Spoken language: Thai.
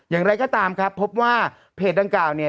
อย่างไรก็ตามครับพบว่าเพจดังกล่าวเนี่ย